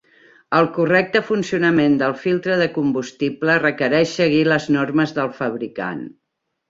El correcte funcionament del filtre de combustible requereix seguir les normes del fabricant.